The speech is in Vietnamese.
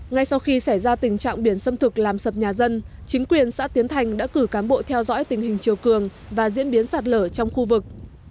ngay sau khi xảy ra tình trạng biển xâm thực làm sập nhà dân chính quyền xã tiến thành đã cử cán bộ theo dõi tình hình chiều cường và diễn biến sạt lở trong khu vực